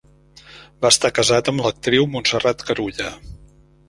Va estar casat amb l'actriu Montserrat Carulla.